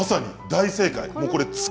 大正解。